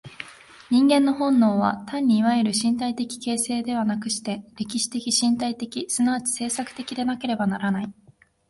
人間の本能は単にいわゆる身体的形成ではなくして、歴史的身体的即ち制作的でなければならない。